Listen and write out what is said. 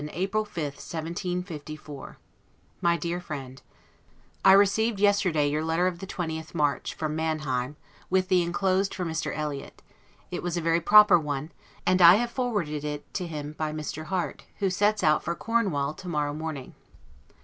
Adieu. LETTER CCI LONDON, April 5, 1754 MY DEAR FRIEND: I received yesterday your letter of the 20th March, from Manheim, with the inclosed for Mr. Eliot; it was a very proper one, and I have forwarded it to him by Mr. Harte, who sets out for Cornwall tomorrow morning.